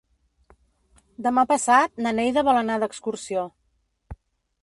Demà passat na Neida vol anar d'excursió.